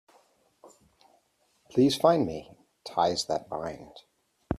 Please fine me, Ties That Bind.